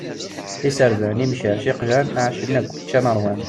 Iserdan, imcac, iqjan, εacen yakk, ččan ṛwan.